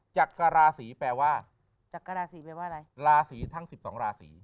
จากกราศีแปลว่าจักราศีแปลว่าอะไรราศีทั้ง๑๒ราศี